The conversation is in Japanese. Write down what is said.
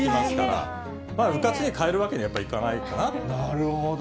なるほど。